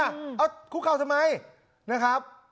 เอาคุกเข่าทำไมนะครับ